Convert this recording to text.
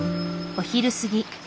お昼過ぎ。